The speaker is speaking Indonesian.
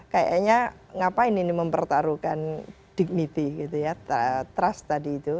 sebenarnya ngapain ini mempertaruhkan dignity trust tadi itu